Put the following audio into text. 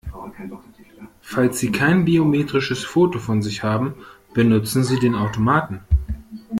Falls Sie kein biometrisches Foto von sich haben, benutzen Sie den Automaten!